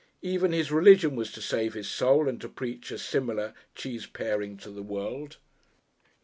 Even his religion was to save his soul, and to preach a similar cheese paring to the world.